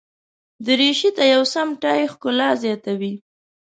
دریشي ته یو سم ټای ښکلا زیاتوي.